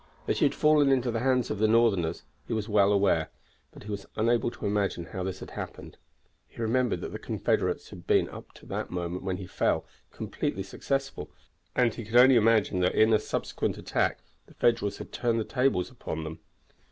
That he had fallen into the hands of the Northerners he was well aware; but he was unable to imagine how this had happened. He remembered that the Confederates had been, up to the moment when he fell, completely successful, and he could only imagine that in a subsequent attack the Federals had turned the tables upon them.